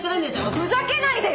ふざけないでよ！